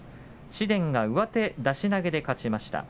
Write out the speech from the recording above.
紫雷が上手出し投げで勝ちました。